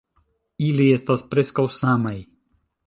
Ili estas preskaŭ samaj.